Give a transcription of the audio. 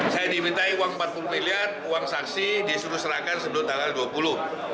saya dimintai uang empat puluh miliar uang saksi disuruh serahkan sebelum tanggal dua puluh